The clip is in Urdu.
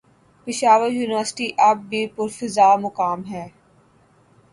پشاور یونیورسٹی اب بھی پرفضامقام ہے